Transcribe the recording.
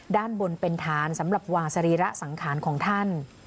ด้านบนเป็นฐานสำหรับวางสรีระสังขารของท่าน